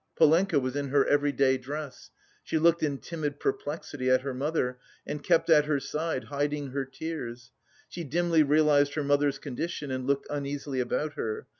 Polenka was in her everyday dress; she looked in timid perplexity at her mother, and kept at her side, hiding her tears. She dimly realised her mother's condition, and looked uneasily about her.